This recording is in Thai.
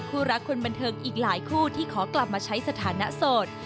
รักคนบันเทิงอีกหลายคู่ที่ขอกลับมาใช้สถานะโสด